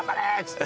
って